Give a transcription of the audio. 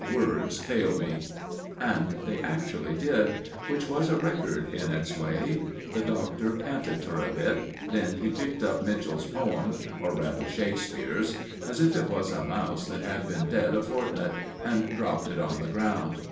Words fail me " And they actually did, which was a record in its way. The Doctor panted for a bit, then he picked up Mitchell's poem, or rather, Shakespeare's, as if it was a mouse that had been dead a fortnight, and dropped it on the ground.